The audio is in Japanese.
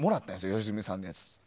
良純さんのやつ。